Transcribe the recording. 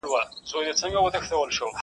عطار وځغستل ګنجي پسي روان سو.!